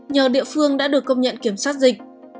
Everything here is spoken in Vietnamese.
nhờ địa phương đã được công nhận kiểm soát dịch